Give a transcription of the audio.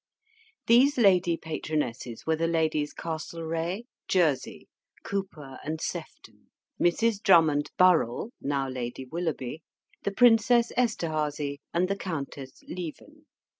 These lady patronesses were the Ladies Castlereagh, Jersey, Cowper, and Sefton, Mrs. Drummond Burrell, now Lady Willoughby, the Princess Esterhazy, and the Countess Lieven.